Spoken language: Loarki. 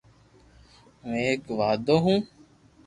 ھون ايڪ واڌو ھون